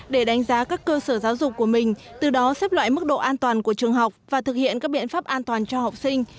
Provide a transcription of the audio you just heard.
để đánh giá các cơ sở giáo dục của mình từ đó xếp loại mức độ an toàn của trường học và thực hiện các biện pháp an toàn cho học sinh